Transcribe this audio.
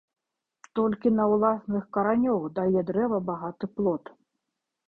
Толькі на ўласных каранёх дае дрэва багаты плод